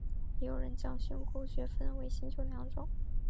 也有人将训诂学分为新旧两种。